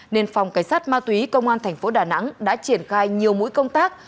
nên phòng cảnh sát ma túy công an thành phố đà nẵng đã triển khai nhiều mũi công tác